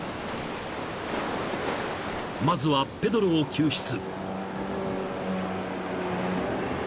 ［まずはペドロを救出］